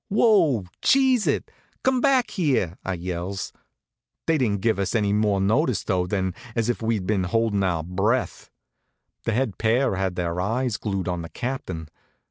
"Whoa! Cheese it! Come back here!" I yells. They didn't give us any more notice, though, than as if we'd been holdin' our breath. The head pair had their eyes glued on the Captain.